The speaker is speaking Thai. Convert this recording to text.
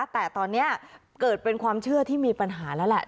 แต่ตอนนี้เกิดเป็นความเชื่อที่มีปัญหาแล้วแหละ